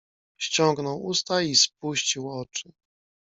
"Ściągnął usta i spuścił oczy."